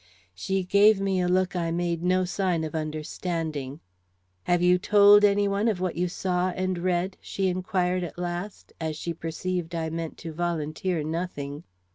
She gave me a look I made no sign of understanding. "Have you told any one of what you saw and read?" she inquired at last, as she perceived I meant to volunteer nothing.